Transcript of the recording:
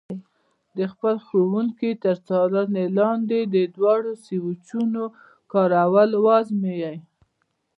د خپل ښوونکي تر څارنې لاندې د دواړو سویچونو کارول وازمایئ.